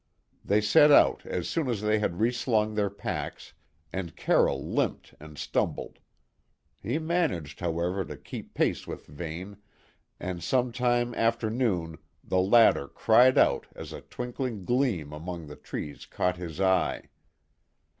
They set out as soon as they had reslung their packs, and Carroll limped and stumbled. He managed, however, to keep pace with Vane, and some time after noon the latter cried out as a twinkling gleam among the trees caught his eye.